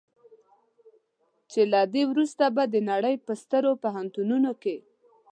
چې له دې وروسته به د نړۍ په سترو پوهنتونونو کې.